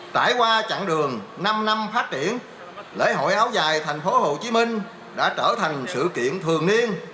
trải qua chặng đường năm năm phát triển lễ hội áo dài tp hcm đã trở thành sự kiện thường niên